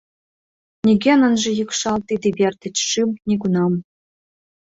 Нигӧн ынже йӱкшал тиде вер деч шӱм нигунам